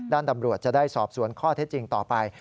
ตำรวจจะได้สอบสวนข้อเท็จจริงต่อไป